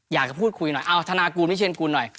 อยากจะพูดคุยหน่อยเอาธนากูลวิเชียนกูลหน่อย